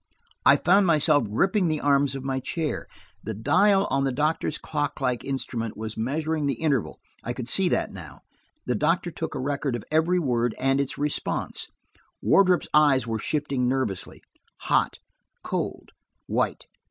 I found myself gripping the arms of my chair. The dial on the doctor's clock like instrument was measuring the interval; I could see that now. The doctor took a record of every word and its response. Wardrop's eyes were shifting nervously. "Hot." "Cold." "White."